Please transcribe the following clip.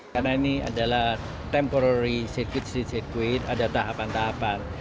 karena ini adalah temporary circuit street circuit ada tahapan tahapan